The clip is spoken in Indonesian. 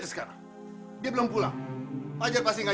selamat bobo ya